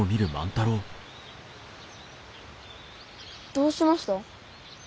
どうしました？